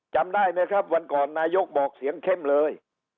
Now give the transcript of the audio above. จำได้ไหมครับวันก่อนนายกบอกเสียงเข้มเลย